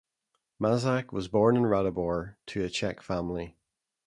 Mazak was born in Ratibor to a Czech family.